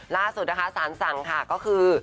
ล่าสุดนะคะสารสั่งค่ะก็คือ